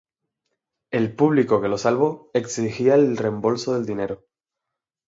El publico que los salvo exigía el reembolso del dinero.